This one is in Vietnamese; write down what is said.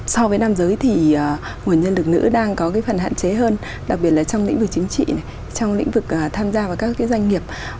so với nam giới thì nguồn nhân lực nữ đang có phần hạn chế hơn đặc biệt là trong lĩnh vực chính trị trong lĩnh vực tham gia vào các doanh nghiệp